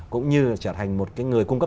cũng như trở thành một người cung cấp